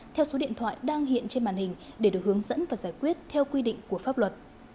theo số điện thoại đang hiện trên màn hình để được hướng dẫn và giải quyết theo quy định của pháp luật